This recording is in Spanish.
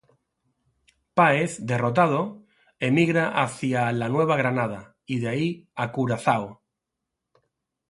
Páez derrotado, emigra hacia la Nueva Granada y de ahí a Curazao.